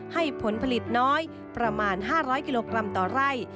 ให้ผลผลิตน้อยประมาณ๕๐๐กกต่อไหร่